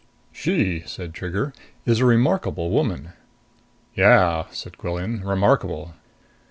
15 "She," said Trigger, "is a remarkable woman." "Yeah," said Quillan. "Remarkable."